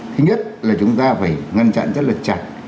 thứ nhất là chúng ta phải ngăn chặn rất là chặt